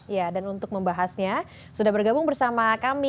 ya dan untuk membahasnya sudah bergabung bersama kami